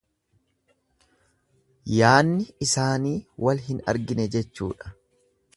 Yaanni isaanii wal hin argine jechuudha.